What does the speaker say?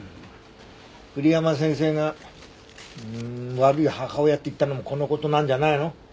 栗山先生が悪い母親って言ったのもこの事なんじゃないの？